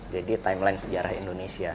jadi timeline sejarah indonesia